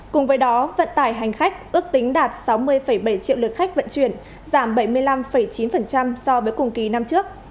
cùng với đó vận tải hành khách ước tính đạt sáu mươi bảy triệu lượt khách vận chuyển giảm bảy mươi năm chín so với cùng kỳ năm trước